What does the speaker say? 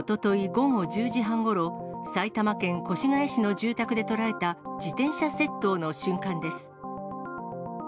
午後１０時半ごろ、埼玉県越谷市の住宅で捉えた自転車窃盗の瞬間です。